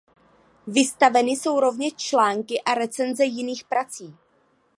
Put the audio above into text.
Vystaveny jsou rovněž články a recenze jejich prací.